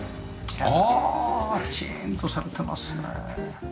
きちんとされてますね。